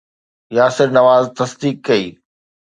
ياسر نواز تصديق ڪئي